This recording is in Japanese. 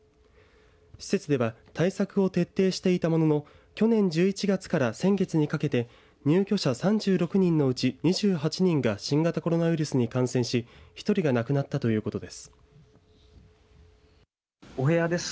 施設では対策を徹底していたものの去年１１月から先月にかけて入居者３６人のうち２８人が新型コロナウイルスに感染し１人が亡くなったということです。